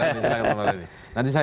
silahkan pak komarudin